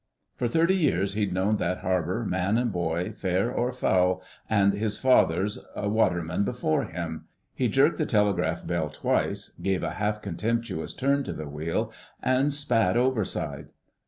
For thirty years he'd known that harbour, man and boy, fair or foul, and his father a waterman before him.... He jerked the telegraph bell twice, gave a half contemptuous turn to the wheel, and spat overside.